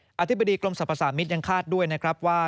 อธิบดีกรมสรรพสามิตรยังคาดด้วยนะครับว่า